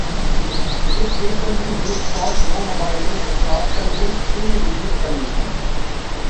It is frequently used for snowmobiling and cross-country skiing in these conditions.